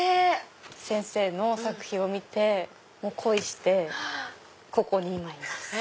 先生の作品を見て恋してここに今います。